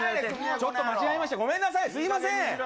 ちょっと間違いがありまして、ごめんなさい、すみません。